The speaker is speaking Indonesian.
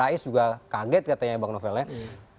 pak amin rais juga kaget katanya bang novelnya